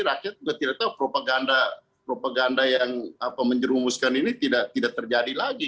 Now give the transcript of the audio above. rakyat juga tidak tahu propaganda yang menjerumuskan ini tidak terjadi lagi